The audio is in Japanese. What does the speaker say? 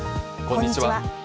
こんにちは。